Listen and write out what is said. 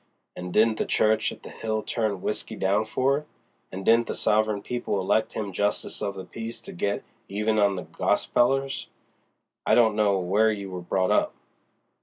An' didn't the church at the Hill turn W'isky down for it? And didn't the sovereign people elect him Justice of the Peace to get even on the gospelers? I don't know where you were brought up."